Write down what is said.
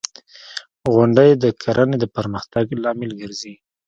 • غونډۍ د کرنې د پرمختګ لامل ګرځي.